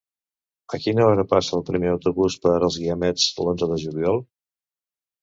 A quina hora passa el primer autobús per els Guiamets l'onze de juliol?